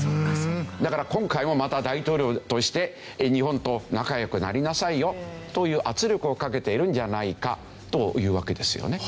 だから今回もまた大統領として日本と仲良くなりなさいよという圧力をかけているんじゃないかというわけですよね。